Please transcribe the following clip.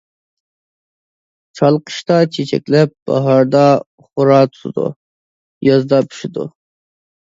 چال قىشتا چېچەكلەپ، باھاردا غورا تۇتىدۇ، يازدا پىشىدۇ.